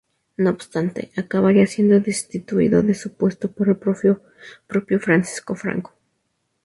No obstante, acabaría siendo destituido de su puesto por el propio Francisco Franco.